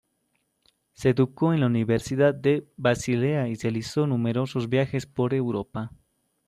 Se educó en la Universidad de Basilea y realizó numerosos viajes por Europa.